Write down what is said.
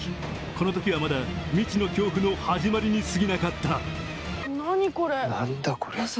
このときはまだ道の恐怖の始まりにすぎなかった。